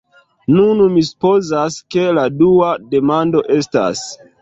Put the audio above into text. Nun, mi supozas, ke la dua demando estas: